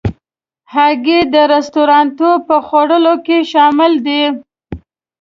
هګۍ د رستورانتو په خوړو کې شامل ده.